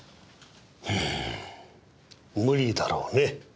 うーん無理だろうね。